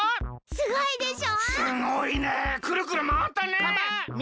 すごいでしょ！